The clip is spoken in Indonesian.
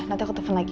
nanti aku telfon lagi